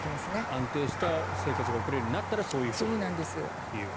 安定した生活が送れるようになったらそう思うようになると。